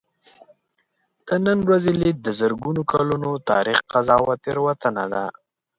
د نن ورځې لید د زرګونو کلونو تاریخ قضاوت تېروتنه ده.